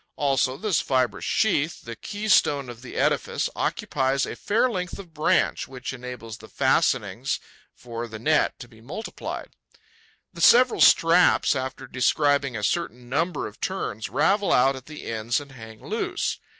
Also, this fibrous sheath, the keystone of the edifice, occupies a fair length of branch, which enables the fastenings for the net to be multiplied. The several straps, after describing a certain number of turns, ravel out at the ends and hang loose.